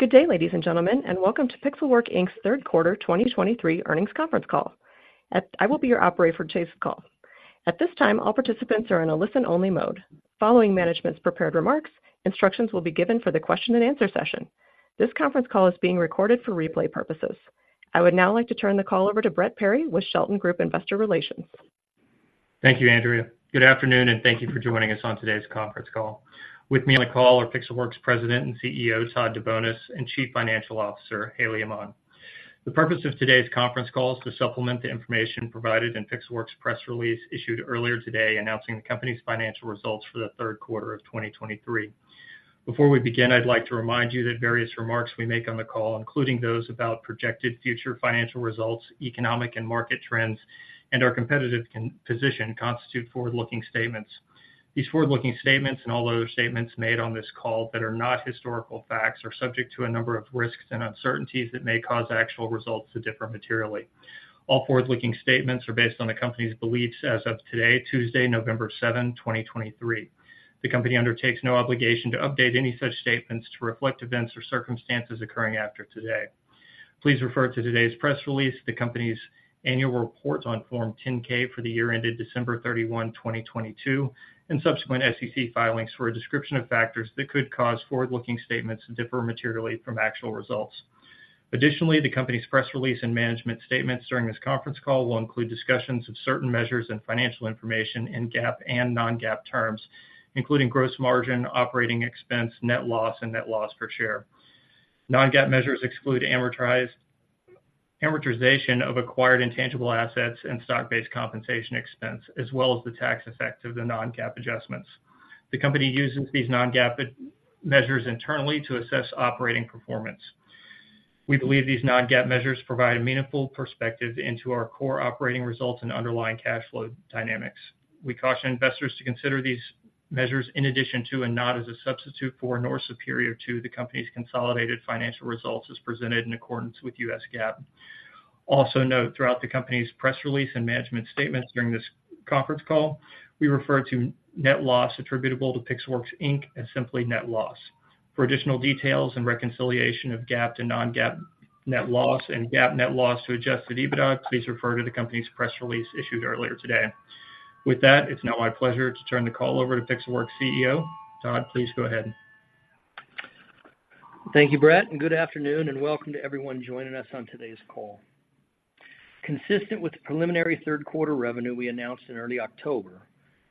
Good day, ladies and gentlemen, and welcome to Pixelworks, Inc.'s third quarter 2023 earnings conference call. I will be your operator for today's call. At this time, all participants are in a listen-only mode. Following management's prepared remarks, instructions will be given for the question and answer session. This conference call is being recorded for replay purposes. I would now like to turn the call over to Brett Perry with Shelton Group Investor Relations. Thank you, Andrea. Good afternoon, and thank you for joining us on today's conference call. With me on the call are Pixelworks President and CEO, Todd DeBonis, and Chief Financial Officer, Haley Aman. The purpose of today's conference call is to supplement the information provided in Pixelworks' press release issued earlier today, announcing the company's financial results for the third quarter of 2023. Before we begin, I'd like to remind you that various remarks we make on the call, including those about projected future financial results, economic and market trends, and our competitive position, constitute forward-looking statements. These forward-looking statements and all other statements made on this call that are not historical facts, are subject to a number of risks and uncertainties that may cause actual results to differ materially. All forward-looking statements are based on the company's beliefs as of today, Tuesday, November 7, 2023. The company undertakes no obligation to update any such statements to reflect events or circumstances occurring after today. Please refer to today's press release, the company's annual report on Form 10-K for the year ended December 31, 2022, and subsequent SEC filings for a description of factors that could cause forward-looking statements to differ materially from actual results. Additionally, the company's press release and management statements during this conference call will include discussions of certain measures and financial information in GAAP and non-GAAP terms, including gross margin, operating expense, net loss, and net loss per share. Non-GAAP measures exclude amortization of acquired intangible assets and stock-based compensation expense, as well as the tax effect of the non-GAAP adjustments. The company uses these non-GAAP measures internally to assess operating performance. We believe these non-GAAP measures provide a meaningful perspective into our core operating results and underlying cash flow dynamics. We caution investors to consider these measures in addition to, and not as a substitute for, nor superior to, the company's consolidated financial results as presented in accordance with U.S. GAAP. Also, note, throughout the company's press release and management statements during this conference call, we refer to net loss attributable to Pixelworks Inc. as simply net loss. For additional details and reconciliation of GAAP to non-GAAP net loss and GAAP net loss to Adjusted EBITDA, please refer to the company's press release issued earlier today. With that, it's now my pleasure to turn the call over to Pixelworks' Chief Executive Officer. Todd, please go ahead. Thank you, Brett, and good afternoon, and welcome to everyone joining us on today's call. Consistent with the preliminary third quarter revenue we announced in early October,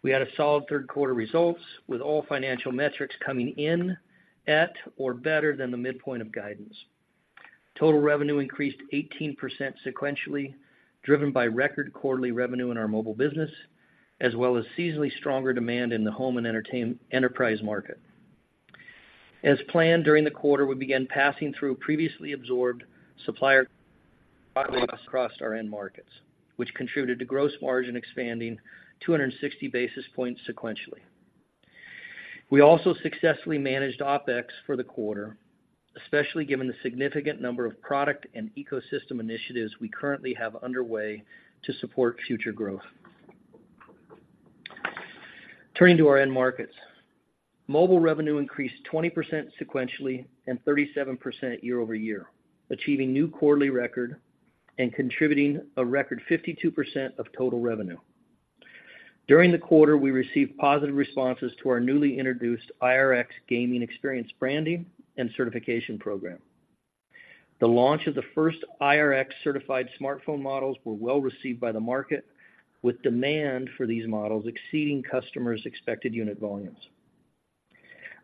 we had a solid third quarter results, with all financial metrics coming in at or better than the midpoint of guidance. Total revenue increased 18% sequentially, driven by record quarterly revenue in our mobile business, as well as seasonally stronger demand in the home and enterprise market. As planned, during the quarter, we began passing through previously absorbed supplier costs across our end markets, which contributed to gross margin expanding 260 basis points sequentially. We also successfully managed OpEx for the quarter, especially given the significant number of product and ecosystem initiatives we currently have underway to support future growth. Turning to our end markets. Mobile revenue increased 20% sequentially and 37% year-over-year, achieving new quarterly record and contributing a record 52% of total revenue. During the quarter, we received positive responses to our newly introduced IRX gaming experience branding and certification program. The launch of the first IRX-certified smartphone models were well-received by the market, with demand for these models exceeding customers' expected unit volumes.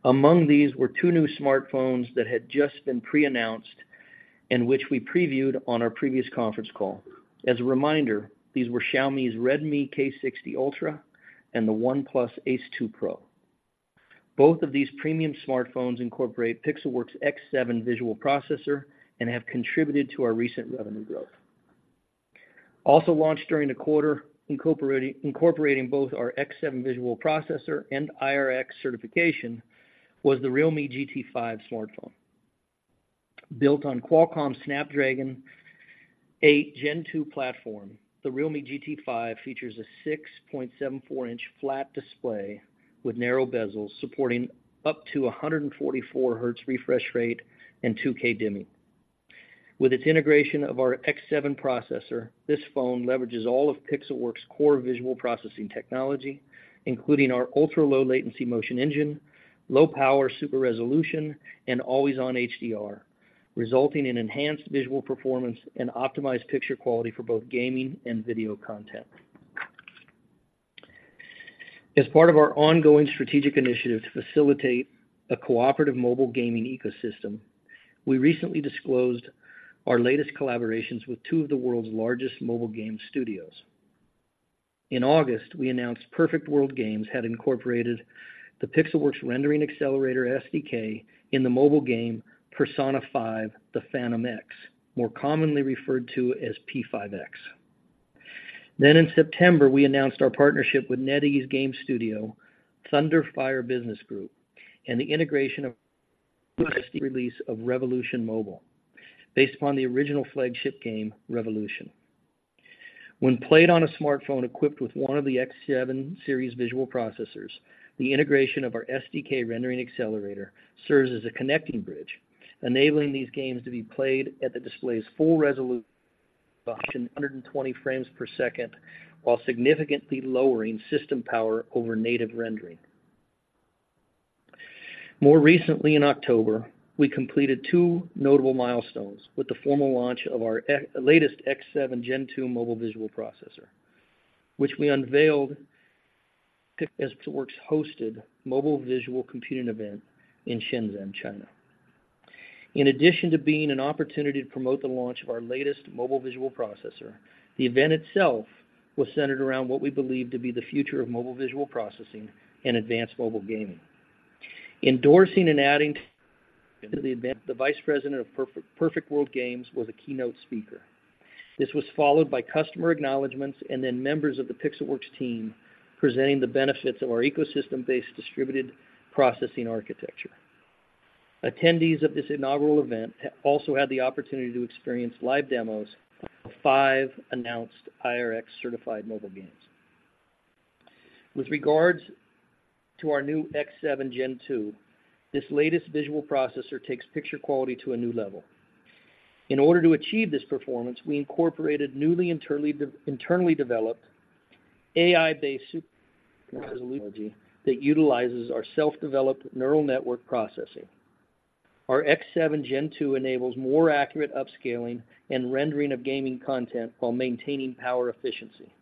Among these were two new smartphones that had just been pre-announced and which we previewed on our previous conference call. As a reminder, these were Xiaomi's Redmi K60 Ultra and the OnePlus Ace 2 Pro. Both of these premium smartphones incorporate Pixelworks' X7 visual processor and have contributed to our recent revenue growth. Also launched during the quarter, incorporating both our X7 visual processor and IRX certification, was the Realme GT5 smartphone. Built on Qualcomm Snapdragon 8 Gen 2 platform, the Realme GT5 features a 6.74-inch flat display with narrow bezels, supporting up to 144 Hz refresh rate and 2K dimming. With its integration of our X7 processor, this phone leverages all of Pixelworks' core visual processing technology, including our ultra-low latency MotionEngine, low-power super resolution, and Always-On HDR, resulting in enhanced visual performance and optimized picture quality for both gaming and video content. As part of our ongoing strategic initiative to facilitate a cooperative mobile gaming ecosystem, we recently disclosed our latest collaborations with two of the world's largest mobile game studios. In August, we announced Perfect World Games had incorporated the Pixelworks Rendering Accelerator SDK in the mobile game Persona 5: The Phantom X, more commonly referred to as P5X. Then in September, we announced our partnership with NetEase Games studio, ThunderFire Business Group, and the integration of the release of Revelation Mobile, based upon the original flagship game, Revelation. When played on a smartphone equipped with one of the X7 series visual processors, the integration of our SDK Rendering Accelerator serves as a connecting bridge, enabling these games to be played at the display's full resolution, 120 frames per second, while significantly lowering system power over native rendering. More recently, in October, we completed two notable milestones with the formal launch of our latest X7 Gen 2 mobile visual processor, which we unveiled as Pixelworks hosted mobile visual computing event in Shenzhen, China. In addition to being an opportunity to promote the launch of our latest mobile visual processor, the event itself was centered around what we believe to be the future of mobile visual processing and advanced mobile gaming. Endorsing and adding to the event, the vice president of Perfect World Games was a keynote speaker. This was followed by customer acknowledgements and then members of the Pixelworks team presenting the benefits of our ecosystem-based distributed processing architecture. Attendees of this inaugural event also had the opportunity to experience live demos of five announced IRX certified mobile games. With regards to our new X7 Gen 2, this latest visual processor takes picture quality to a new level. In order to achieve this performance, we incorporated newly internally developed AI-based technology that utilizes our self-developed neural network processing. Our X7 Gen 2 enables more accurate upscaling and rendering of gaming content while maintaining power efficiency.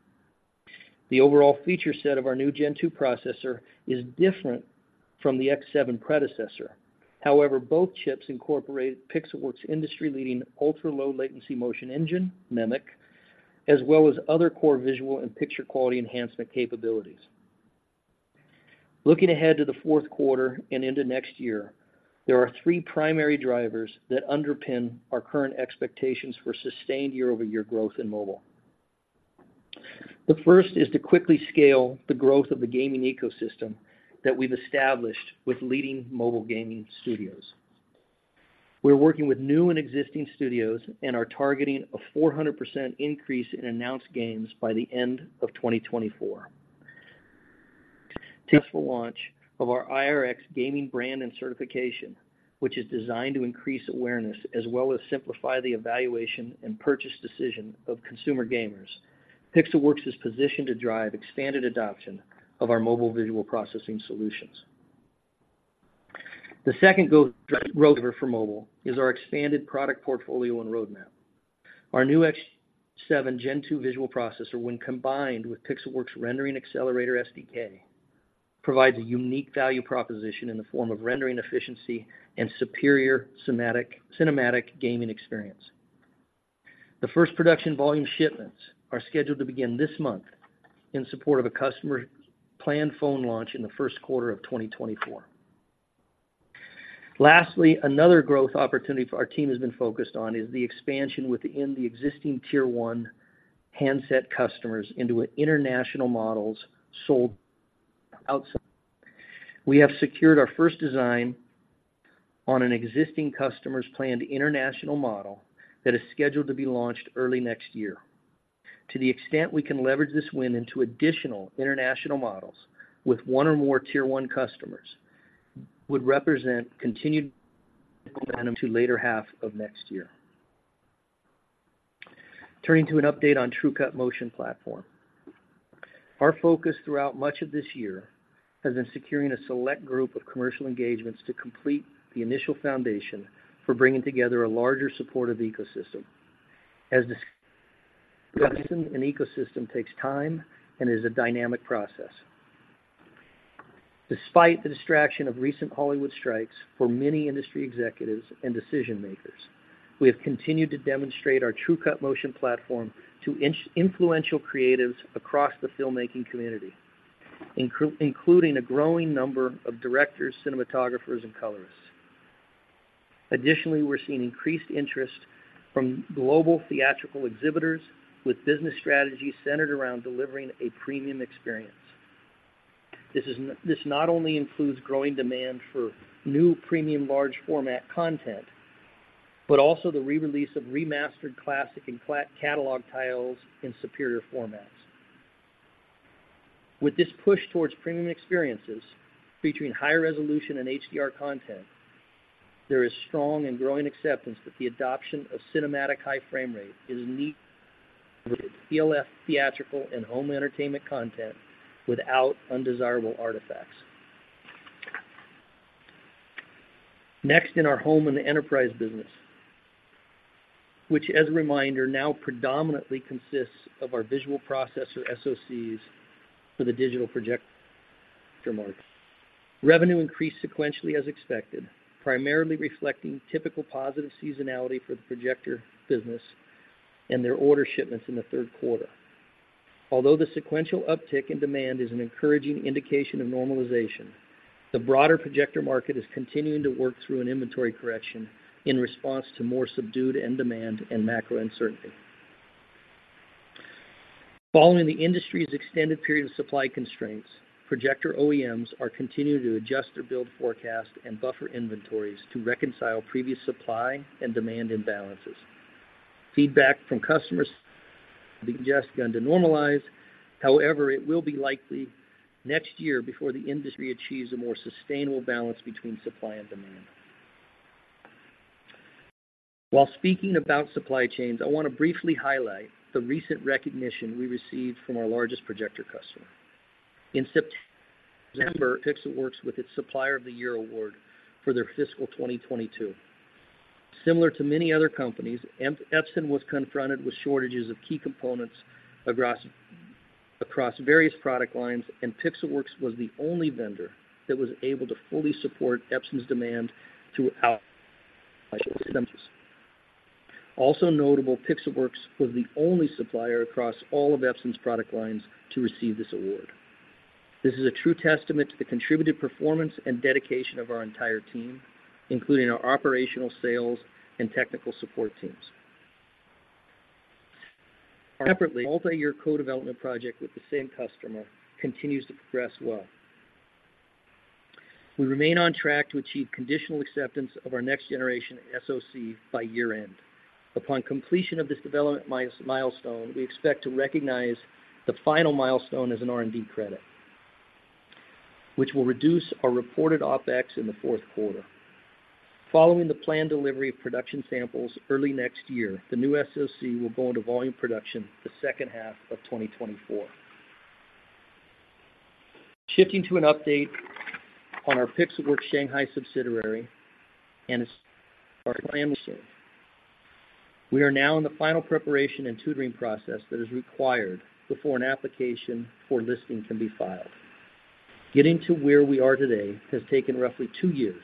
The overall feature set of our new Gen 2 processor is different from the X7 predecessor. However, both chips incorporate Pixelworks' industry-leading ultra-low latency MotionEngine, MEMC, as well as other core visual and picture quality enhancement capabilities. Looking ahead to the fourth quarter and into next year, there are three primary drivers that underpin our current expectations for sustained year-over-year growth in mobile. The first is to quickly scale the growth of the gaming ecosystem that we've established with leading mobile gaming studios. We're working with new and existing studios and are targeting a 400% increase in announced games by the end of 2024. Successful launch of our IRX gaming brand and certification, which is designed to increase awareness as well as simplify the evaluation and purchase decision of consumer gamers. Pixelworks is positioned to drive expanded adoption of our mobile visual processing solutions. The second growth driver for mobile is our expanded product portfolio and roadmap. Our new X7 Gen 2 visual processor, when combined with Pixelworks Rendering Accelerator SDK, provides a unique value proposition in the form of rendering efficiency and superior cinematic, cinematic gaming experience. The first production volume shipments are scheduled to begin this month in support of a customer planned phone launch in the first quarter of 2024. Lastly, another growth opportunity for our team has been focused on is the expansion within the existing Tier One handset customers into international models sold outside. We have secured our first design on an existing customer's planned international model that is scheduled to be launched early next year. To the extent we can leverage this win into additional international models with one or more Tier One customers, would represent continued momentum to later half of next year. Turning to an update on TrueCut Motion platform. Our focus throughout much of this year has been securing a select group of commercial engagements to complete the initial foundation for bringing together a larger supportive ecosystem. As discussion and ecosystem takes time and is a dynamic process. Despite the distraction of recent Hollywood strikes for many industry executives and decision makers, we have continued to demonstrate our TrueCut Motion platform to influential creatives across the filmmaking community, including a growing number of directors, cinematographers, and colorists. Additionally, we're seeing increased interest from global theatrical exhibitors with business strategies centered around delivering a premium experience. This not only includes growing demand for new premium large format content, but also the re-release of remastered classic and catalog titles in superior formats. With this push towards premium experiences featuring higher resolution and HDR content, there is strong and growing acceptance that the adoption of cinematic high frame rate is unique to PLF theatrical and home entertainment content without undesirable artifacts. Next, in our home and enterprise business, which, as a reminder, now predominantly consists of our visual processor SoCs for the digital projector market. Revenue increased sequentially as expected, primarily reflecting typical positive seasonality for the projector business and their order shipments in the third quarter. Although the sequential uptick in demand is an encouraging indication of normalization, the broader projector market is continuing to work through an inventory correction in response to more subdued end demand and macro uncertainty. Following the industry's extended period of supply constraints, projector OEMs are continuing to adjust their build forecast and buffer inventories to reconcile previous supply and demand imbalances. Feedback from customers has begun to normalize. However, it will be likely next year before the industry achieves a more sustainable balance between supply and demand. While speaking about supply chains, I want to briefly highlight the recent recognition we received from our largest projector customer. In September, Pixelworks wins its Supplier of the Year award for their fiscal 2022. Similar to many other companies, Epson was confronted with shortages of key components across various product lines, and Pixelworks was the only vendor that was able to fully support Epson's demand throughout. Also notable, Pixelworks was the only supplier across all of Epson's product lines to receive this award. This is a true testament to the contributed performance and dedication of our entire team, including our operational, sales, and technical support teams. Separately, multi-year co-development project with the same customer continues to progress well. We remain on track to achieve conditional acceptance of our next generation SoC by year-end. Upon completion of this development milestone, we expect to recognize the final milestone as an R&D credit, which will reduce our reported OpEx in the fourth quarter. Following the planned delivery of production samples early next year, the new SoC will go into volume production the second half of 2024. Shifting to an update on our Pixelworks Shanghai subsidiary and its IPO. We are now in the final preparation and tutoring process that is required before an application for listing can be filed. Getting to where we are today has taken roughly two years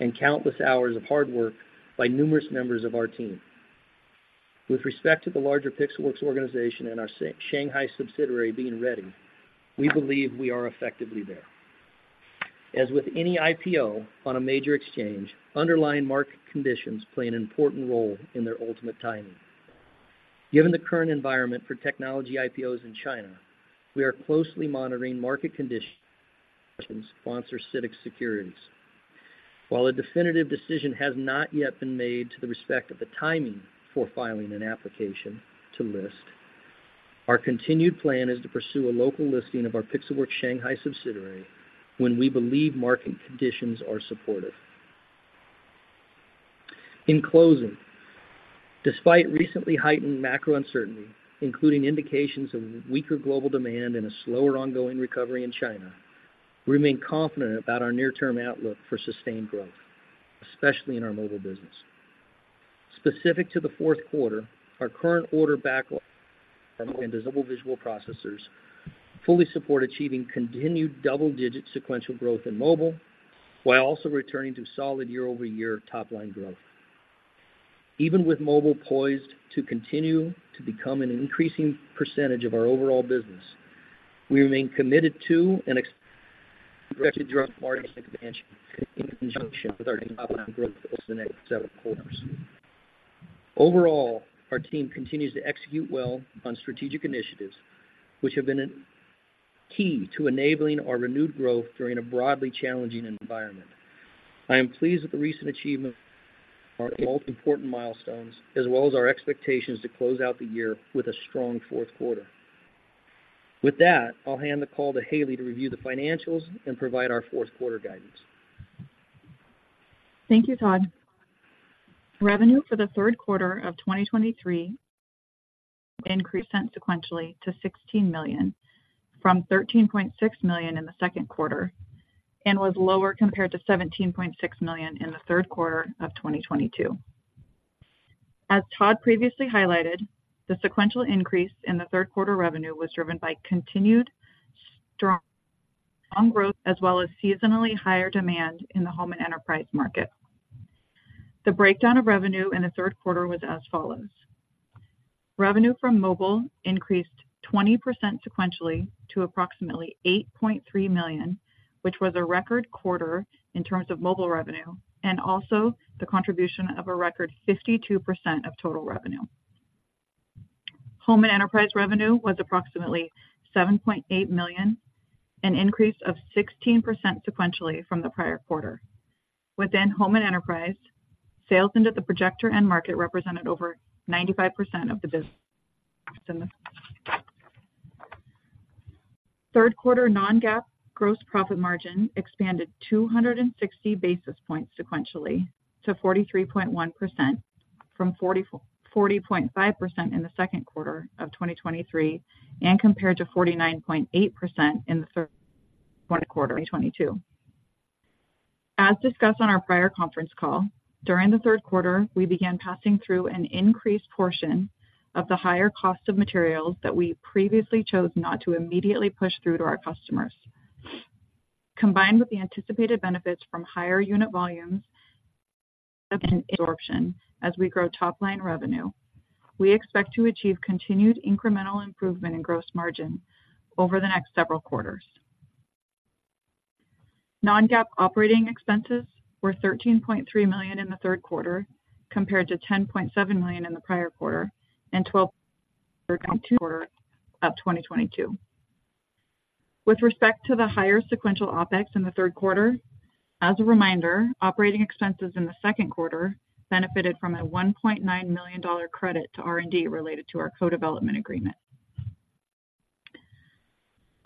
and countless hours of hard work by numerous members of our team. With respect to the larger Pixelworks organization and our Shanghai subsidiary being ready, we believe we are effectively there. As with any IPO on a major exchange, underlying market conditions play an important role in their ultimate timing. Given the current environment for technology IPOs in China, we are closely monitoring market conditions, sponsor CITIC Securities. While a definitive decision has not yet been made with respect to the timing for filing an application to list, our continued plan is to pursue a local listing of our Pixelworks Shanghai subsidiary when we believe market conditions are supportive. In closing, despite recently heightened macro uncertainty, including indications of weaker global demand and a slower ongoing recovery in China, we remain confident about our near-term outlook for sustained growth, especially in our mobile business. Specific to the fourth quarter, our current order backlog and visible visual processors fully support achieving continued double-digit sequential growth in mobile, while also returning to solid year-over-year top-line growth. Even with mobile poised to continue to become an increasing percentage of our overall business, we remain committed to and expected to drive margin expansion in conjunction with our top-line growth over the next several quarters. Overall, our team continues to execute well on strategic initiatives, which have been key to enabling our renewed growth during a broadly challenging environment. I am pleased with the recent achievement of our most important milestones, as well as our expectations to close out the year with a strong fourth quarter. With that, I'll hand the call to Haley to review the financials and provide our fourth quarter guidance. Thank you, Todd. Revenue for the third quarter of 2023 increased sequentially to $16 million, from $13.6 million in the second quarter, and was lower compared to $17.6 million in the third quarter of 2022. As Todd previously highlighted, the sequential increase in the third quarter revenue was driven by continued strong growth, as well as seasonally higher demand in the home and enterprise market. The breakdown of revenue in the third quarter was as follows: Revenue from mobile increased 20% sequentially to approximately $8.3 million, which was a record quarter in terms of mobile revenue, and also the contribution of a record 52% of total revenue. Home and enterprise revenue was approximately $7.8 million, an increase of 16% sequentially from the prior quarter. Within home and enterprise, sales into the projector end market represented over 95% of the business in the third quarter. Non-GAAP gross profit margin expanded 260 basis points sequentially to 43.1%, from 40.5% in the second quarter of 2023, and compared to 49.8% in the third quarter of 2022. As discussed on our prior conference call, during the third quarter, we began passing through an increased portion of the higher cost of materials that we previously chose not to immediately push through to our customers. Combined with the anticipated benefits from higher unit volumes and absorption as we grow top-line revenue, we expect to achieve continued incremental improvement in gross margin over the next several quarters.... Non-GAAP operating expenses were $13.3 million in the third quarter, compared to $10.7 million in the prior quarter and third quarter of 2022. With respect to the higher sequential OpEx in the third quarter, as a reminder, operating expenses in the second quarter benefited from a $1.9 million credit to R&D related to our co-development agreement.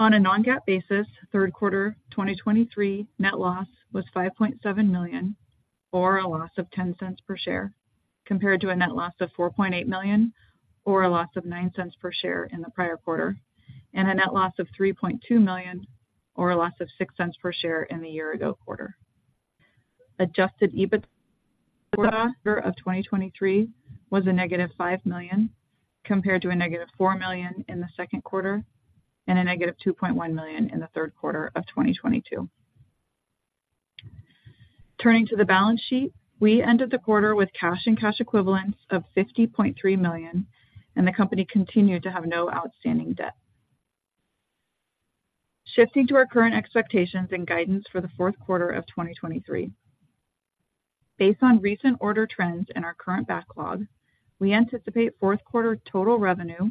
On a non-GAAP basis, third quarter 2023 net loss was $5.7 million, or a loss of $0.10 per share, compared to a net loss of $4.8 million, or a loss of $0.09 per share in the prior quarter, and a net loss of $3.2 million, or a loss of $0.06 per share in the year-ago quarter. Adjusted EBITDA quarter of 2023 was -$5 million, compared to -$4 million in the second quarter and -$2.1 million in the third quarter of 2022. Turning to the balance sheet, we ended the quarter with cash and cash equivalents of $50.3 million, and the company continued to have no outstanding debt. Shifting to our current expectations and guidance for the fourth quarter of 2023. Based on recent order trends and our current backlog, we anticipate fourth quarter total revenue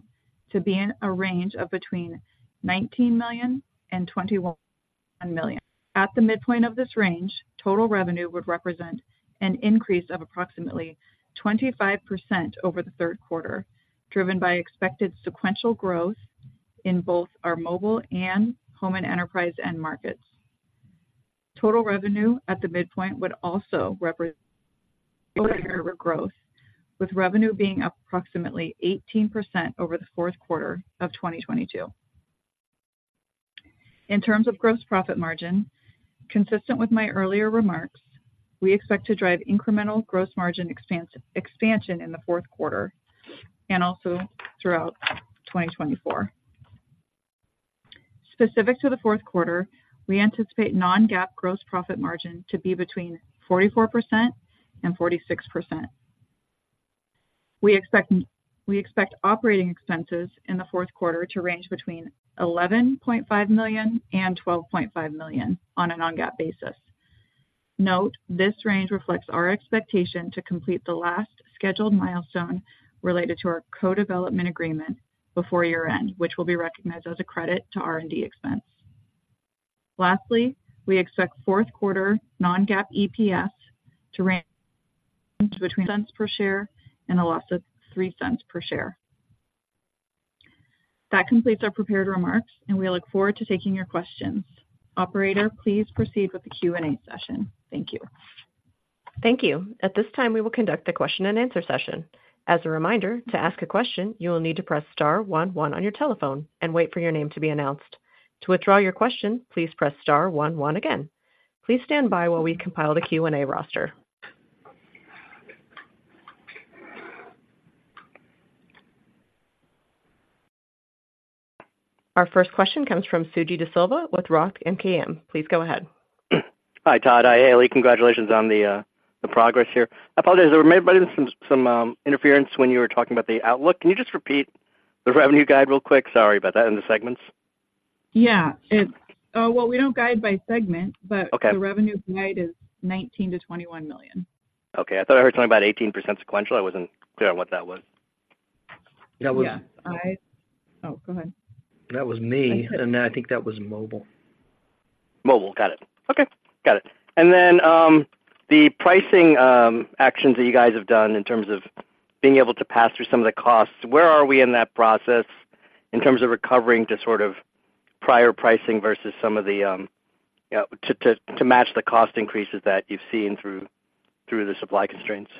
to be in a range of between $19 million and $21 million. At the midpoint of this range, total revenue would represent an increase of approximately 25% over the third quarter, driven by expected sequential growth in both our mobile and home and enterprise end markets. Total revenue at the midpoint would also represent growth, with revenue being approximately 18% over the fourth quarter of 2022. In terms of gross profit margin, consistent with my earlier remarks, we expect to drive incremental gross margin expansion in the fourth quarter and also throughout 2024. Specific to the fourth quarter, we anticipate non-GAAP gross profit margin to be between 44% and 46%. We expect, we expect operating expenses in the fourth quarter to range between $11.5 million and $12.5 million on a non-GAAP basis. Note: This range reflects our expectation to complete the last scheduled milestone related to our co-development agreement before year-end, which will be recognized as a credit to R&D expense. Lastly, we expect fourth quarter non-GAAP EPS to range between cents per share and a loss of 3 cents per share. That completes our prepared remarks, and we look forward to taking your questions. Operator, please proceed with the Q&A session. Thank you. Thank you. At this time, we will conduct the question-and-answer session. As a reminder, to ask a question, you will need to press star one one on your telephone and wait for your name to be announced. To withdraw your question, please press star one one again. Please stand by while we compile the Q&A roster. Our first question comes from Suji Desilva with Roth MKM. Please go ahead. Hi, Todd. Hi, Haley. Congratulations on the progress here. I apologize, there may have been some interference when you were talking about the outlook. Can you just repeat the revenue guide real quick? Sorry about that, and the segments. Well, we don't guide by segment- Okay. but the revenue guide is $19 million-$21 million. Okay. I thought I heard something about 18% sequential. I wasn't clear on what that was. Yeah, I- Oh, go ahead. That was me, and I think that was mobile. Mobile. Got it. Okay, got it. And then, the pricing actions that you guys have done in terms of being able to pass through some of the costs, where are we in that process in terms of recovering to sort of prior pricing versus some of the, you know, to, to, to match the cost increases that you've seen through, through the supply constraints?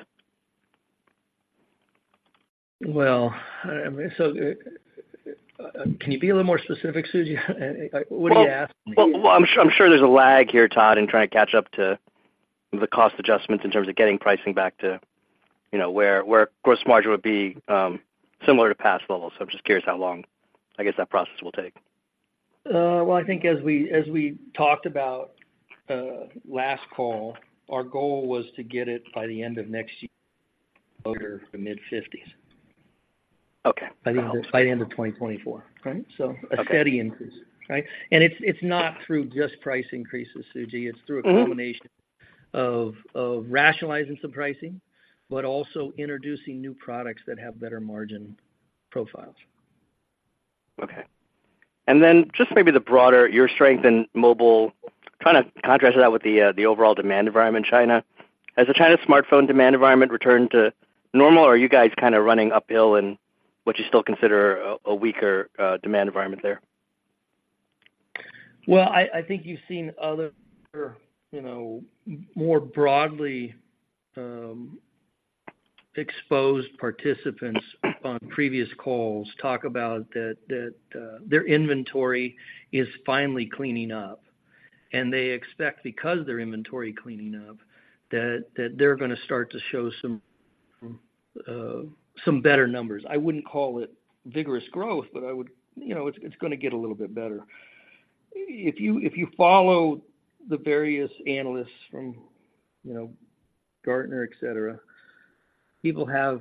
Well, so can you be a little more specific, Suji? What are you asking? Well, I'm sure, I'm sure there's a lag here, Todd, in trying to catch up to the cost adjustments in terms of getting pricing back to, you know, where, where gross margin would be similar to past levels. I'm just curious how long I guess that process will take? Well, I think as we talked about last call, our goal was to get it by the end of next year, over the mid-fifties. Okay. By the end of 2024. Right? Okay. So a steady increase. Right? And it's not through just price increases, Suji, it's through- Mm-hmm a combination of rationalizing some pricing, but also introducing new products that have better margin profiles. Okay. And then just maybe the broader, your strength in mobile, trying to contrast that with the, the overall demand environment in China. Has the China smartphone demand environment returned to normal, or are you guys kinda running uphill in what you still consider a weaker demand environment there? Well, I think you've seen other, you know, more broadly exposed participants on previous calls talk about that, their inventory is finally cleaning up, and they expect, because of their inventory cleaning up, that they're going to start to show some better numbers. I wouldn't call it vigorous growth, but I would... You know, it's gonna get a little bit better. If you follow the various analysts from, you know, Gartner, et cetera, people have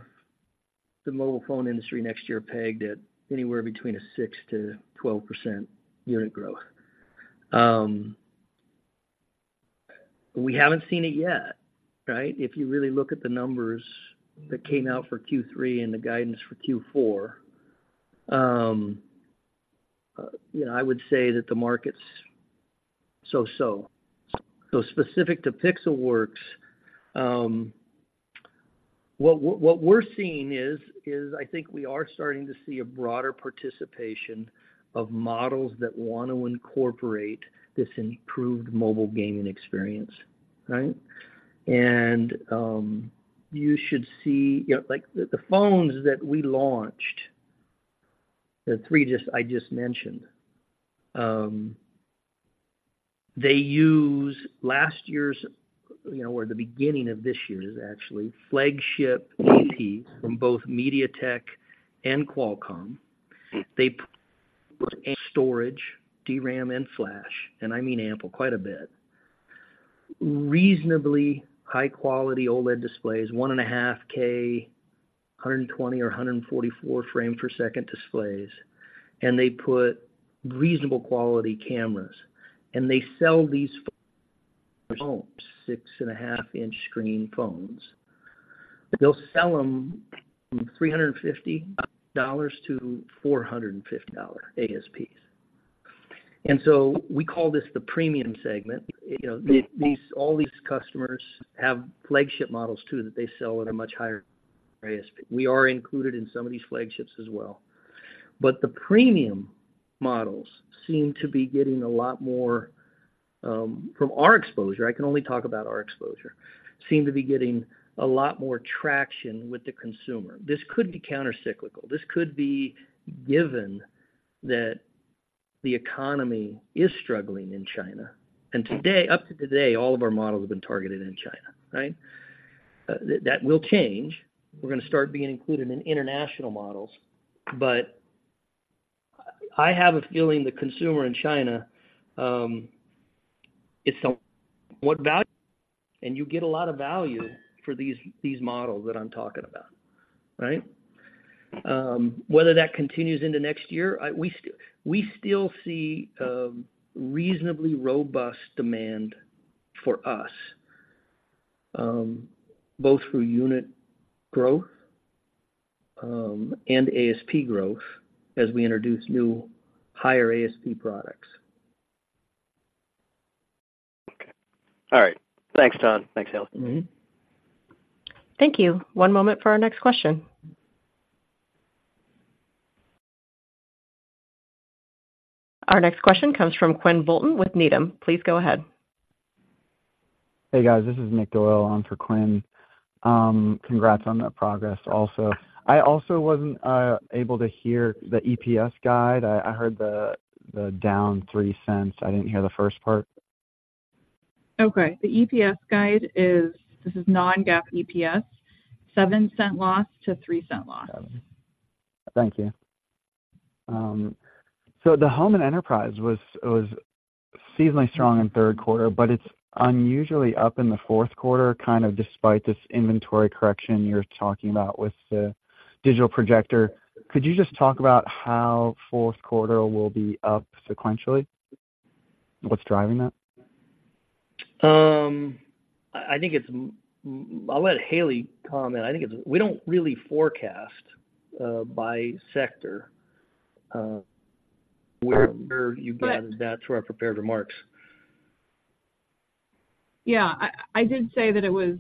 the mobile phone industry next year pegged at anywhere between 6%-12% unit growth. We haven't seen it yet, right? If you really look at the numbers that came out for Q3 and the guidance for Q4, you know, I would say that the market's so-so. So specific to Pixelworks, what we're seeing is I think we are starting to see a broader participation of models that want to incorporate this improved mobile gaming experience, right? And you should see, you know, like the phones that we launched, the three just I just mentioned, they use last year's, you know, or the beginning of this year's actually, flagship AP from both MediaTek and Qualcomm. They storage, DRAM, and Flash, and I mean ample, quite a bit. Reasonably high quality OLED displays, 1.5K, 120 or 144 frame per second displays, and they put reasonable quality cameras, and they sell these phones, 6.5-inch screen phones. They'll sell them from $350-$450 ASPs. So we call this the premium segment. You know, these all these customers have flagship models too, that they sell at a much higher ASP. We are included in some of these flagships as well. But the premium models seem to be getting a lot more, from our exposure, I can only talk about our exposure, seem to be getting a lot more traction with the consumer. This could be countercyclical. This could be given that the economy is struggling in China, and today, up to today, all of our models have been targeted in China, right? That will change. We're gonna start being included in international models, but I have a feeling the consumer in China is so what value, and you get a lot of value for these these models that I'm talking about, right? Whether that continues into next year, we still see reasonably robust demand for us, both through unit growth, and ASP growth as we introduce new higher ASP products. Okay. All right. Thanks, Todd. Thanks, Haley. Mm-hmm. Thank you. One moment for our next question. Our next question comes from Quinn Bolton with Needham. Please go ahead. Hey, guys, this is Nick Doyle on for Quinn. Congrats on that progress also. I also wasn't able to hear the EPS guide. I heard the down $0.03. I didn't hear the first part. Okay. The EPS guide is—this is non-GAAP EPS—$0.07-$0.03 loss. Thank you. So the home and enterprise was seasonally strong in third quarter, but it's unusually up in the fourth quarter, kind of despite this inventory correction you're talking about with the digital projector. Could you just talk about how fourth quarter will be up sequentially? What's driving that? I think it's... I'll let Haley comment. I think it's we don't really forecast by sector, wherever you got- But- That's where I prepared remarks. Yeah. I did say that it was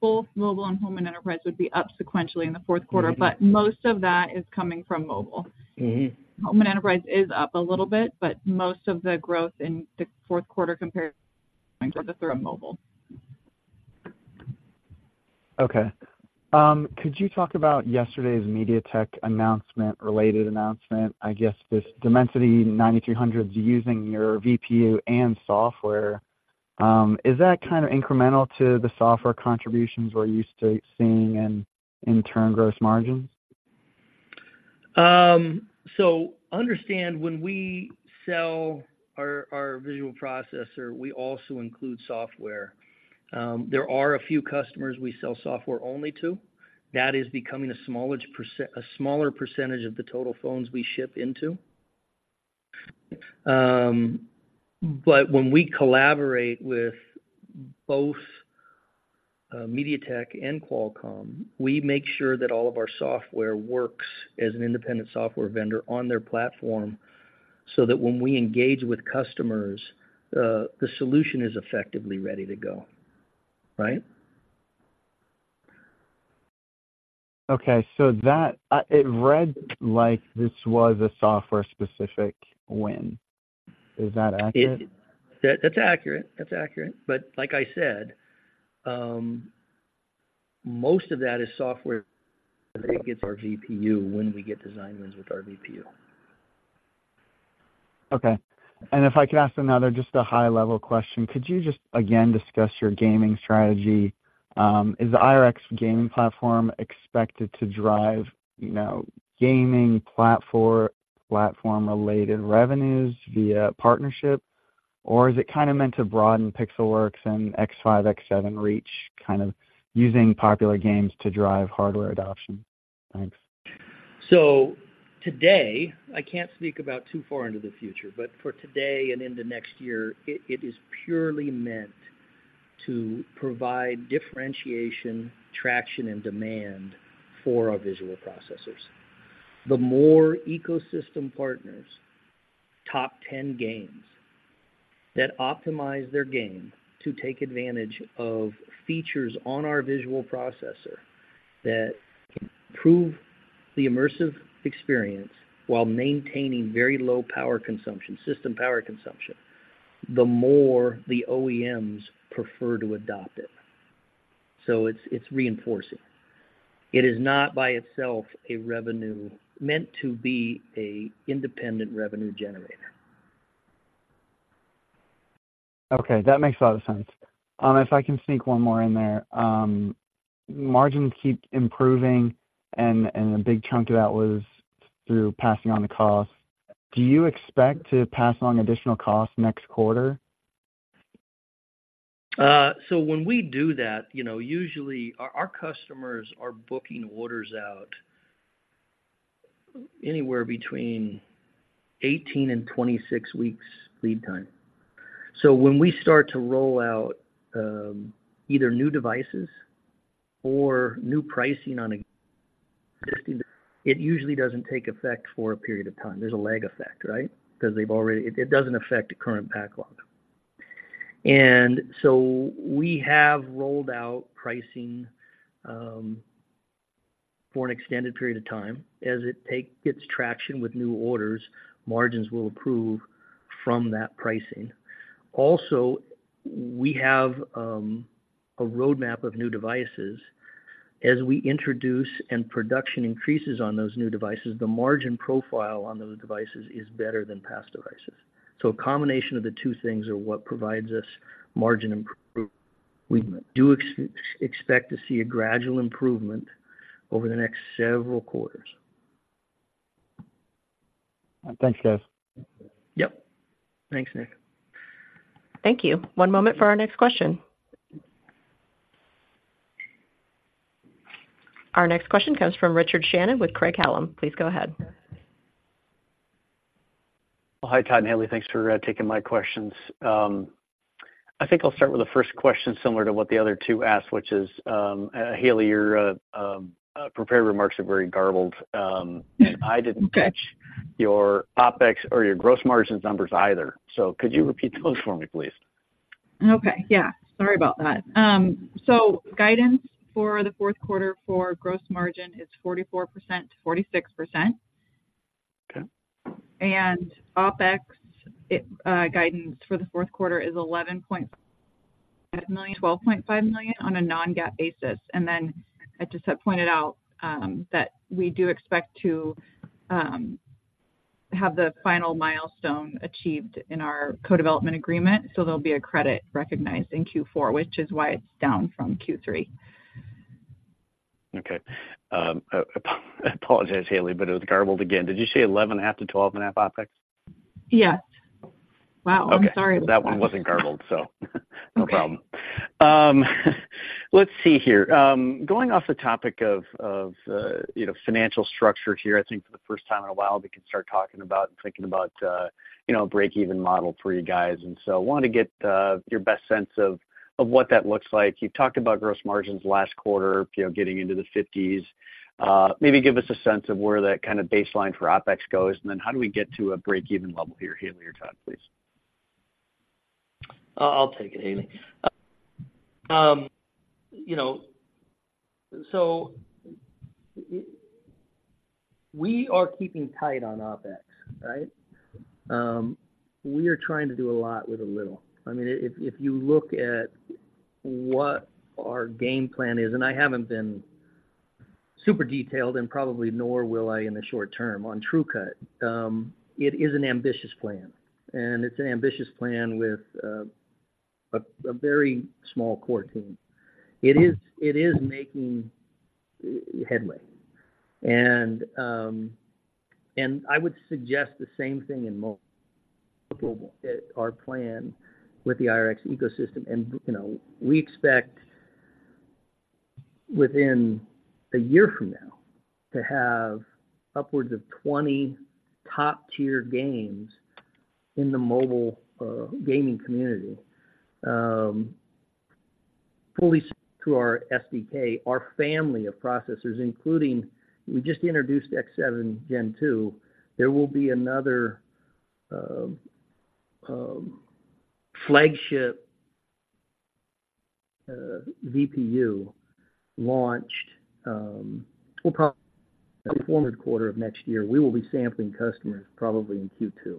both mobile and home, and enterprise would be up sequentially in the fourth quarter- Mm-hmm. but most of that is coming from mobile. Mm-hmm. Home and enterprise is up a little bit, but most of the growth in the fourth quarter compared to the third, mobile. Okay. Could you talk about yesterday's MediaTek announcement, related announcement? I guess this Dimensity 9300 is using your VPU and software. Is that kind of incremental to the software contributions we're used to seeing in turn, gross margins? So understand when we sell our visual processor, we also include software. There are a few customers we sell software only to. That is becoming a smaller percentage of the total phones we ship into. But when we collaborate with both MediaTek and Qualcomm, we make sure that all of our software works as an independent software vendor on their platform, so that when we engage with customers, the solution is effectively ready to go, right? Okay, so that, it read like this was a software-specific win. Is that accurate? That, that's accurate. That's accurate. But like I said, most of that is software. It gets our VPU when we get design wins with our VPU. Okay. And if I could ask another, just a high-level question, could you just, again, discuss your gaming strategy? Is the IRX gaming platform expected to drive, you know, gaming platform, platform-related revenues via partnership? Or is it kind of meant to broaden Pixelworks and X5, X7 reach, kind of using popular games to drive hardware adoption? Thanks. So today, I can't speak about too far into the future, but for today and into next year, it is purely meant to provide differentiation, traction, and demand for our visual processors. The more ecosystem partners, top ten games, that optimize their game to take advantage of features on our visual processor, that improve the immersive experience while maintaining very low power consumption, system power consumption, the more the OEMs prefer to adopt it. So it's reinforcing. It is not by itself a revenue- meant to be a independent revenue generator. Okay, that makes a lot of sense. If I can sneak one more in there, margins keep improving, and a big chunk of that was through passing on the cost. Do you expect to pass on additional costs next quarter? So when we do that, you know, usually our customers are booking orders out anywhere between 18-26 weeks lead time. So when we start to roll out, either new devices or new pricing on existing, it usually doesn't take effect for a period of time. There's a lag effect, right? Because they've already, it doesn't affect the current backlog. And so we have rolled out pricing, for an extended period of time. As it take gets traction with new orders, margins will improve from that pricing. Also, we have a roadmap of new devices. As we introduce and production increases on those new devices, the margin profile on those devices is better than past devices. So a combination of the two things are what provides us margin improvement. We do expect to see a gradual improvement over the next several quarters. Thanks, guys. Yep. Thanks, Nick. Thank you. One moment for our next question. Our next question comes from Richard Shannon with Craig-Hallum. Please go ahead. Well, hi, Todd and Haley. Thanks for taking my questions. I think I'll start with the first question similar to what the other two asked, which is, Haley, your prepared remarks are very garbled. I didn't catch- Okay. - Your OpEx or your gross margins numbers either, so could you repeat those for me, please? Okay. Yeah, sorry about that. So guidance for the fourth quarter for gross margin is 44%-46%. Okay. OpEx guidance for the fourth quarter is $11.5 million-$12.5 million on a non-GAAP basis. Then I just have pointed out that we do expect to have the final milestone achieved in our co-development agreement. So there'll be a credit recognized in Q4, which is why it's down from Q3. Okay. I apologize, Haley, but it was garbled again. Did you say $11.5-$12.5 OpEx? Yes. Wow, I'm sorry. Okay. That one wasn't garbled, so no problem. Okay. Going off the topic of financial structure here, I think for the first time in a while, we can start talking about and thinking about, you know, a break-even model for you guys. So I wanted to get your best sense of what that looks like. You've talked about gross margins last quarter, you know, getting into the fifties. Maybe give us a sense of where that kind of baseline for OpEx goes, and then how do we get to a break-even level here, Haley or Todd, please? I'll take it, Haley. You know, so we are keeping tight on OpEx, right? We are trying to do a lot with a little. I mean, if you look at what our game plan is, and I haven't been super detailed, and probably nor will I in the short term, on TrueCut, it is an ambitious plan, and it's an ambitious plan with a very small core team. It is making headway. And I would suggest the same thing in mobile, our plan with the IRX ecosystem. And, you know, we expect within a year from now to have upwards of 20 top-tier games in the mobile gaming community, fully to our SDK, our family of processors, including, we just introduced X7 Gen 2. There will be another flagship VPU launched, well, probably the fourth quarter of next year. We will be sampling customers probably in Q2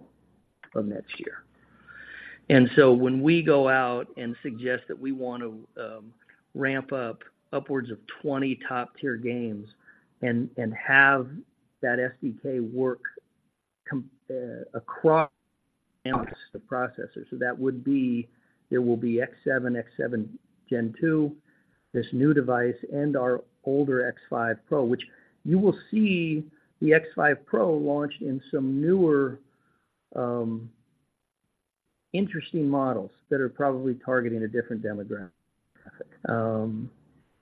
of next year. And so when we go out and suggest that we want to ramp up upwards of 20 top-tier games and have that SDK work across the processors. So that would be, there will be X7, X7 Gen 2, this new device and our older X5 Pro, which you will see the X5 Pro launched in some newer interesting models that are probably targeting a different demographic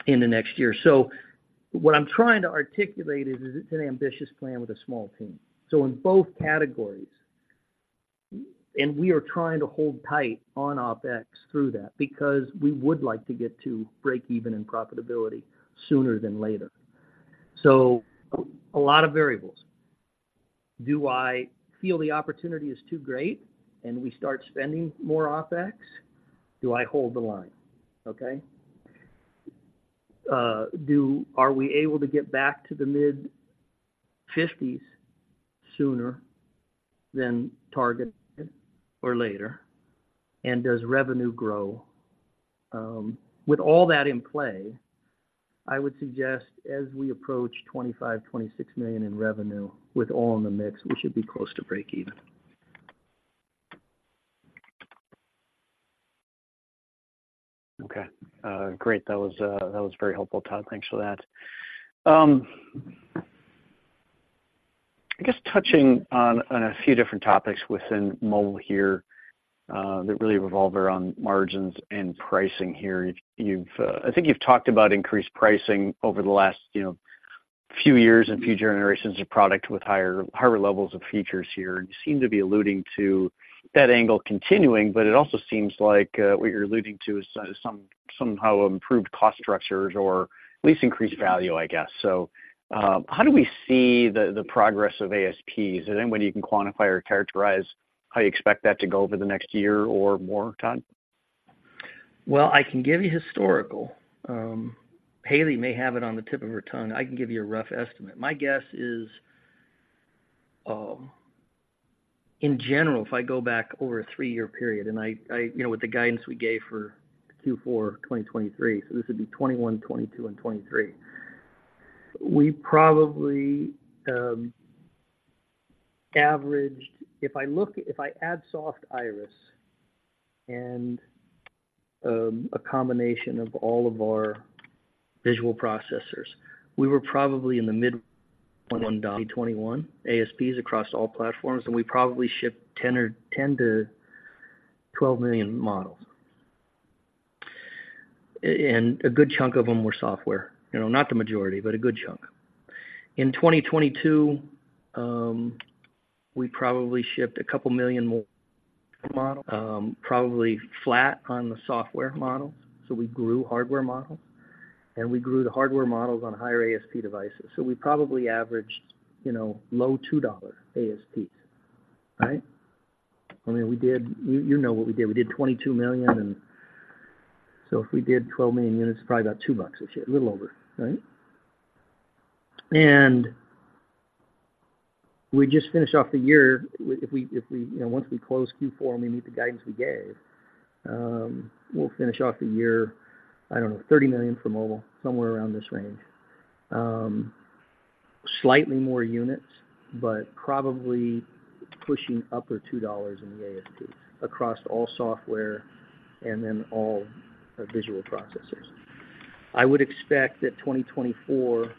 in the next year. So what I'm trying to articulate is it's an ambitious plan with a small team. So in both categories, and we are trying to hold tight on OpEx through that because we would like to get to breakeven and profitability sooner than later. A lot of variables. Do I feel the opportunity is too great and we start spending more OpEx? Do I hold the line, okay? Are we able to get back to the mid-50s sooner than targeted or later? And does revenue grow? With all that in play, I would suggest, as we approach $25 million-$26 million in revenue, with all in the mix, we should be close to breakeven. Okay, great. That was, that was very helpful, Todd. Thanks for that. I guess touching on, on a few different topics within mobile here, that really revolve around margins and pricing here. You've, I think you've talked about increased pricing over the last, you know, few years and future generations of product with higher, higher levels of features here, and you seem to be alluding to that angle continuing, but it also seems like, what you're alluding to is some- somehow improved cost structures or at least increased value, I guess. So, how do we see the, the progress of ASPs? Is there any way you can quantify or characterize how you expect that to go over the next year or more, Todd? Well, I can give you historical. Haley may have it on the tip of her tongue. I can give you a rough estimate. My guess is, in general, if I go back over a three-year period, You know, with the guidance we gave for Q4 2023, so this would be 2021, 2022, and 2023. We probably averaged -- if I add Softiris and a combination of all of our visual processors, we were probably in the mid $2.21 ASPs across all platforms, and we probably shipped 10 or 10-12 million models. And a good chunk of them were software, you know, not the majority, but a good chunk. In 2022, we probably shipped 2 million more models, probably flat on the software models, so we grew hardware models. We grew the hardware models on higher ASP devices. We probably averaged, you know, low $2 ASPs, right? I mean, we did. You know what we did. We did 22 million, and so if we did 12 million units, it's probably about $2 a chip, a little over, right? We just finished off the year. If we you know, once we close Q4 and we meet the guidance we gave, we'll finish off the year, I don't know, 30 million for mobile, somewhere around this range. Slightly more units, but probably pushing up or $2 in the ASP across all software and then all visual processors. I would expect that 2024,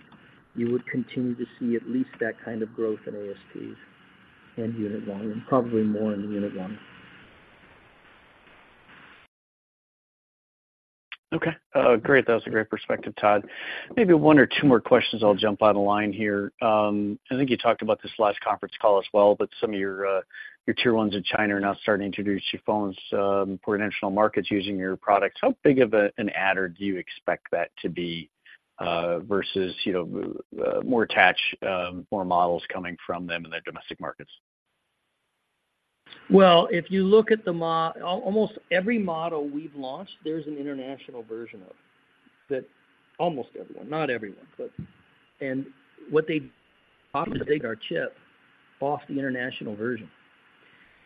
you would continue to see at least that kind of growth in ASPs and unit volume, probably more in the unit volume. Okay, great. That was a great perspective, Todd. Maybe one or two more questions, I'll jump on the line here. I think you talked about this last conference call as well, but some of your, your Tier ones in China are now starting to introduce your phones, for international markets using your products. How big of a- an adder do you expect that to be, versus, you know, more attach, more models coming from them in their domestic markets? Well, if you look at almost every model we've launched, there's an international version of it. That almost everyone, not everyone, but... And what they opt to take our chip off the international version.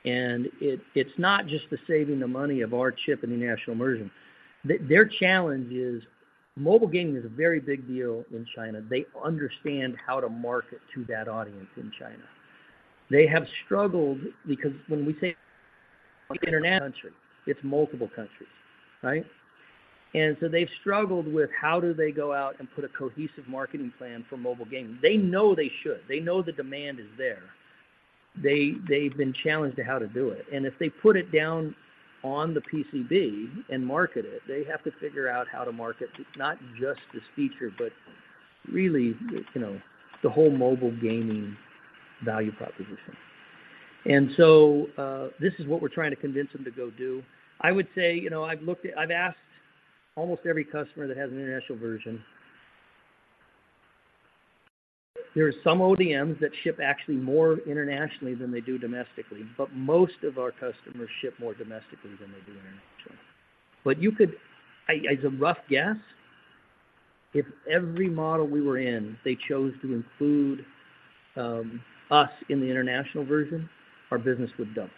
And it's not just saving the money of our chip in the international version. Their challenge is, mobile gaming is a very big deal in China. They understand how to market to that audience in China. They have struggled because when we say international country, it's multiple countries, right? And so they've struggled with how do they go out and put a cohesive marketing plan for mobile gaming. They know they should. They know the demand is there. They've been challenged to how to do it. And if they put it down on the PCB and market it, they have to figure out how to market it, not just this feature, but really, you know, the whole mobile gaming value proposition. And so, this is what we're trying to convince them to go do. I would say, you know, I've asked almost every customer that has an international version. There are some ODMs that ship actually more internationally than they do domestically, but most of our customers ship more domestically than they do internationally. But you could as a rough guess, if every model we were in, they chose to include us in the international version, our business would double.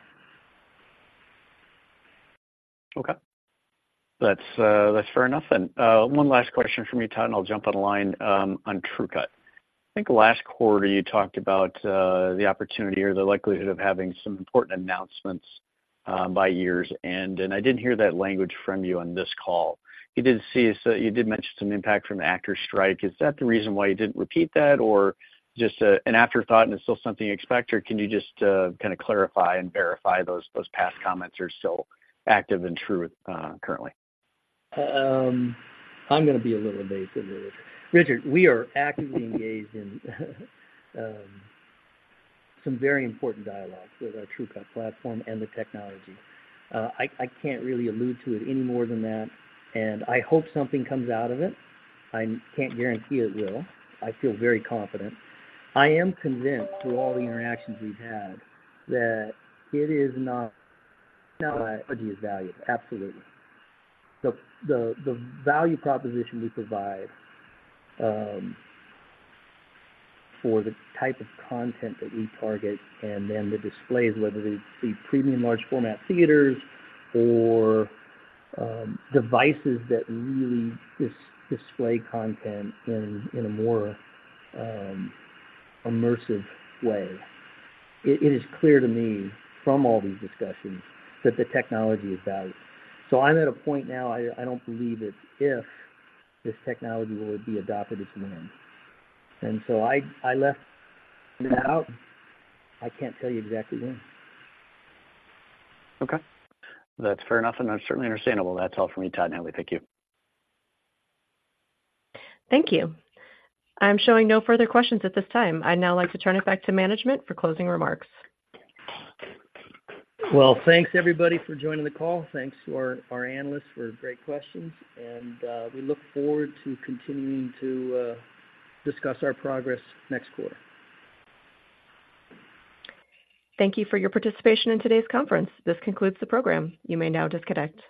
Okay. That's fair enough. And one last question from me, Todd, and I'll jump on the line on TrueCut. I think last quarter, you talked about the opportunity or the likelihood of having some important announcements by year's end, and I didn't hear that language from you on this call. You did see—so you did mention some impact from the actor's strike. Is that the reason why you didn't repeat that, or just an afterthought and it's still something you expect? Or can you just kind of clarify and verify those past comments are still active and true currently? I'm gonna be a little evasive here. Richard, we are actively engaged in some very important dialogues with our TrueCut platform and the technology. I can't really allude to it any more than that, and I hope something comes out of it. I can't guarantee it will. I feel very confident. I am convinced, through all the interactions we've had, that it is not, the idea is valuable, absolutely. The value proposition we provide for the type of content that we target and then the displays, whether it's the premium large format theaters or devices that really display content in a more immersive way, it is clear to me from all these discussions that the technology is valued. So I'm at a point now, I don't believe it's if this technology will be adopted, it's when. And so I left it out. I can't tell you exactly when. Okay. That's fair enough, and that's certainly understandable. That's all for me, Todd and Haley. Thank you. Thank you. I'm showing no further questions at this time. I'd now like to turn it back to management for closing remarks. Well, thanks everybody for joining the call. Thanks to our analysts for great questions, and we look forward to continuing to discuss our progress next quarter. Thank you for your participation in today's conference. This concludes the program. You may now disconnect.